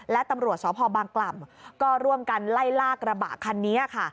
และตำรวจสพบางกล่ำก็ร่วมกันไล่ลากกระบะคันนี้ค่ะ